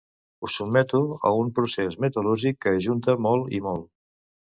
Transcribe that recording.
Ho sotmeto a un procés metal·lúrgic que ajunta molt i molt.